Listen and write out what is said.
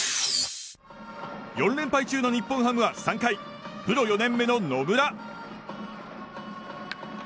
４連敗中の日本ハムは３回プロ４年目の野村。